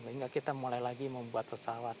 sehingga kita mulai lagi membuat pesawat